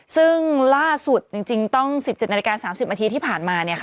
ซึ่งล่าสุดจริงต้อง๑๗นาฬิกา๓๐นาทีที่ผ่านมา